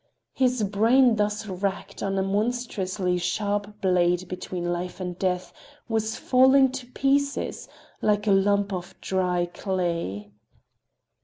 His brain thus racked on a monstrously sharp blade between life and death was falling to pieces like a lump of dry clay.